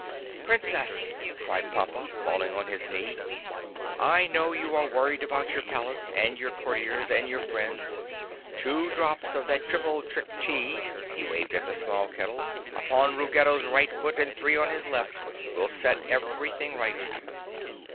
"Princess!" cried Pompa, falling on his knee. "I know you are worried about your palace and your Courtiers and your friends. Two drops of that Triple Trick Tea (he waved at the small kettle) upon Ruggedo's right foot and three on his left will set everything right!"